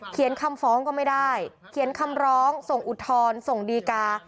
คำฟ้องก็ไม่ได้เขียนคำร้องส่งอุทธรณ์ส่งดีกา